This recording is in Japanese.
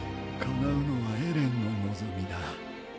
叶うのはエレンの望みだ。